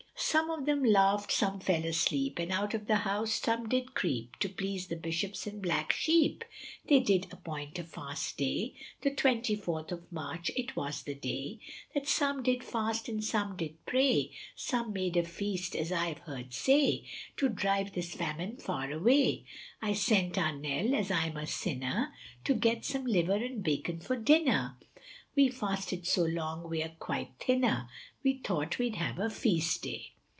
Some of them laugh'd, some fell asleep, And out of the house some did creep; To please the Bishops and black sheep, They did appoint a fast day, The twenty fourth of March it was the day That some did fast and some did pray, Some made a feast as I've heard say, To drive this famine far away, I sent our Nell as I'm a sinner, To get some liver and bacon for dinner, We fasted so long we are quite thinner, We thought we'd have a feast day.